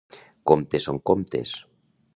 Comptes són comptes.